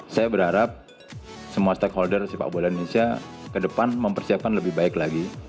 saya berharap semua stakeholder sepak bola indonesia ke depan mempersiapkan lebih baik lagi